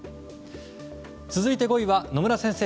続いて５位は野村先生